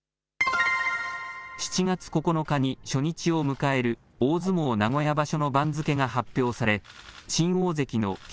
７月９日に初日を迎える大相撲名古屋場所の番付が発表され新大関の霧